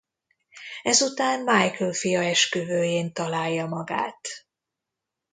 Ezután Michael fia esküvőjén találja magát.